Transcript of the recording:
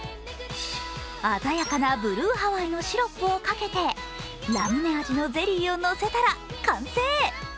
鮮やかなブルーハワイのシロップをかけてラムネ味のゼリーをのせたら完成。